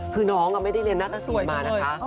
คือน้องไม่ได้เรียนหน้าตสูตรมานะคะ